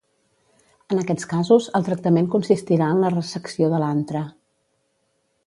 En aquests casos el tractament consistirà en la resecció de l'antre.